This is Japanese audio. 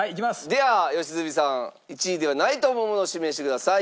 では良純さん１位ではないと思うものを指名してください。